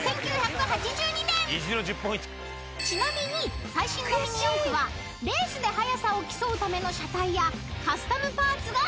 ［ちなみに最新のミニ四駆はレースで速さを競うための車体やカスタムパーツが進化］